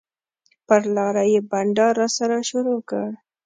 پر لاره یې بنډار راسره شروع کړ.